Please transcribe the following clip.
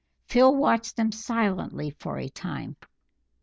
Phil watched them silently for a time.